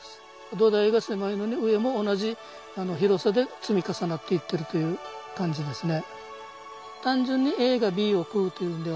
土台が狭いのに上も同じ広さで積み重なっていってるという感じですね。